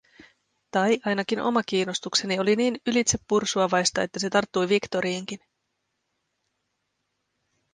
Tai, ainakin oma kiinnostukseni oli niin ylitsepursuavaista, että se tarttui Victoriinkin.